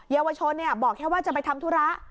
เยาวชนบอกแค่ว่าจะไปทำธุระ